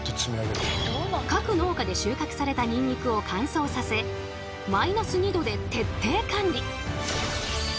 各農家で収穫されたニンニクを乾燥させマイナス２℃で徹底管理。